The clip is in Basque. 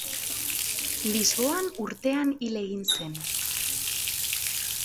Lisboan urtean hil egin zen.